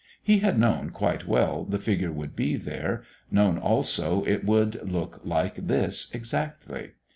He had known quite well the figure would be there, known also it would look like this exactly.